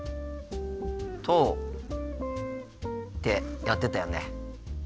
とってやってたよね。